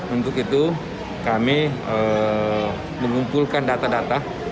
untuk itu kami mengumpulkan data data